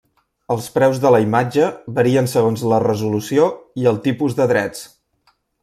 Els preus de la imatge varien segons la resolució i el tipus de drets.